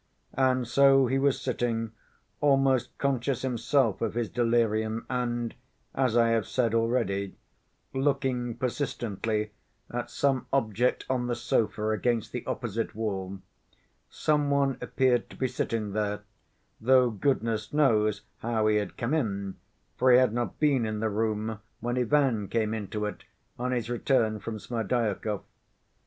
And so he was sitting almost conscious himself of his delirium and, as I have said already, looking persistently at some object on the sofa against the opposite wall. Some one appeared to be sitting there, though goodness knows how he had come in, for he had not been in the room when Ivan came into it, on his return from Smerdyakov.